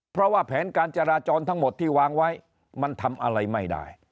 เพราะว่าแผนการจราจรทั้งหมดที่วางไว้มันทำอะไรไม่ได้